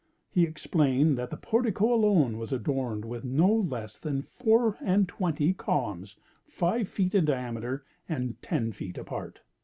He explained that the portico alone was adorned with no less than four and twenty columns, five feet in diameter, and ten feet apart.